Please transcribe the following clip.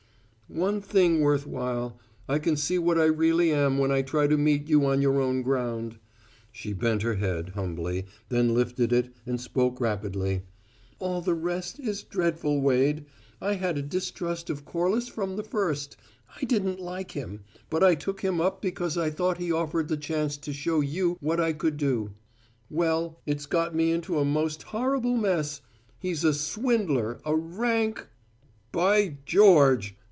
"One thing worth while: I can see what I really am when I try to meet you on your own ground." She bent her head, humbly, then lifted it, and spoke rapidly. "All the rest is dreadful, Wade. I had a distrust of Corliss from the first; I didn't like him, but I took him up because I thought he offered the chance to show you what I could do. Well, it's got me into a most horrible mess. He's a swindler, a rank " "By George!"